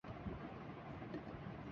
غلط تھا اے جنوں شاید ترا اندازۂ صحرا